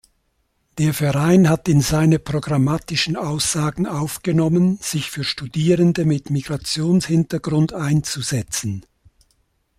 Der Verein hat in seine programmatischen Aussagen aufgenommen, sich für Studierende mit Migrationshintergrund einzusetzen.